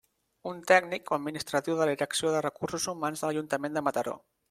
Un tècnic o administratiu de la Direcció de Recursos Humans de l'Ajuntament de Mataró.